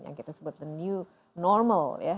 yang kita sebut the new normal ya